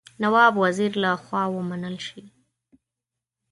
نواب وزیر له خوا ومنل شي.